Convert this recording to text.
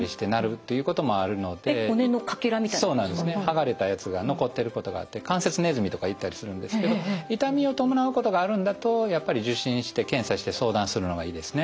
剥がれたやつが残ってることがあって関節ネズミとか言ったりするんですけど痛みを伴うことがあるんだとやっぱり受診して検査して相談するのがいいですね。